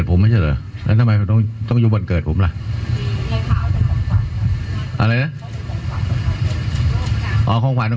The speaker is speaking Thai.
ถ้าวันที่แหล่งที่อะไรวันเกิดวันนี้ก็แล้วกัน